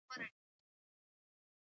اوبه باید ضایع نشي